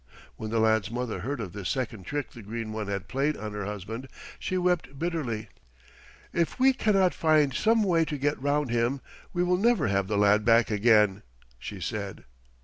When the lad's mother heard of this second trick the Green One had played on her husband she wept bitterly. "If we cannot find some way to get round him, we will never have the lad back again," she said.